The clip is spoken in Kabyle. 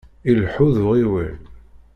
Ileḥḥu d uɣiwel.